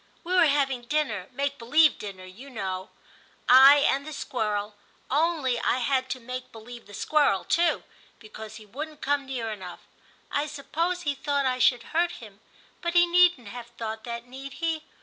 We were having dinner — make believe dinner, you know — I and the squirrel — ^only I had to make believe the squirrel too, because he wouldn't come near enough — I suppose he thought I should hurt him, but he needn't have thought that, need he